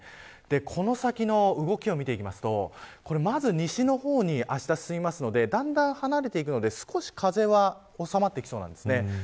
この先の動きを見ていきますとまず、西の方にあした進みますのでだんだん離れていって少し風は収まってきそうです。